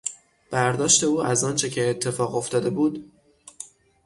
برداشت او از آنچه که اتفاق افتاده بود